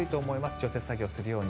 除雪作業するように。